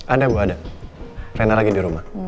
ada bu ada rena lagi dirumah